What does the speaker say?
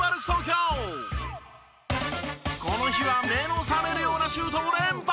この日は目の覚めるようなシュートを連発！